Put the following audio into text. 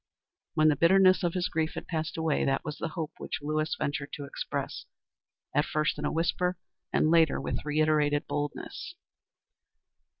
When the bitterness of his grief had passed away, that was the hope which Lewis ventured to express, at first in a whisper, and later with reiterated boldness.